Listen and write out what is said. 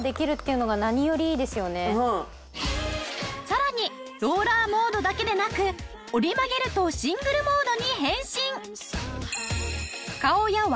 さらにローラーモードだけでなく折り曲げるとシングルモードに変身。